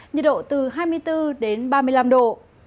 nhiệt độ từ hai mươi bốn đến ba mươi năm độ